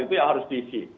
itu yang harus diisi